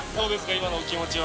今のお気持ちは。